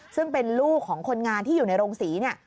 ซึ่งเป็นลูกของคนงานที่อยู่ในโรงศรีเนี่ย